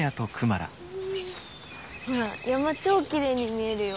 ほら山超きれいに見えるよ。